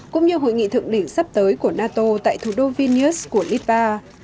cũng như hội nghị thượng đỉnh sắp tới của nato tại thủ đô vilnius của lipa